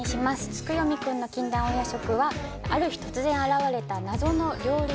『月読くんの禁断お夜食』はある日突然現れた謎の料理